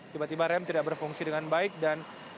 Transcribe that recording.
tiba tiba rem tidak berfungsi dengan baik dan